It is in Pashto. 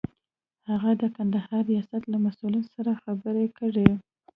هغه د کندهار ریاست له مسئول سره خبرې کړې.